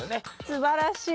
すばらしい！